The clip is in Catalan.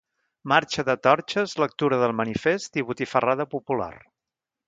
Marxa de torxes, lectura del manifest i botifarrada popular.